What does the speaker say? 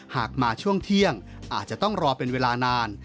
หากมาช่วงเที่ยงอาจจะต้องรอเป็นเวลานาน